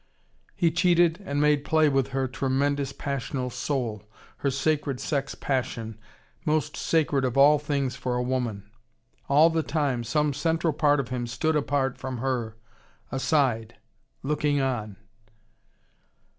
He cheated and made play with her tremendous passional soul, her sacred sex passion, most sacred of all things for a woman. All the time, some central part of him stood apart from her, aside, looking on.